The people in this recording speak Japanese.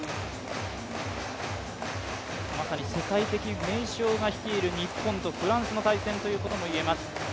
まさに世界的名将が率いる日本とフランスの対戦ということもいえます。